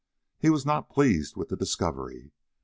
He was not pleased with the discovery.